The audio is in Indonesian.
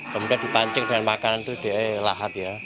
kemudian dipancing dengan makanan itu dielahat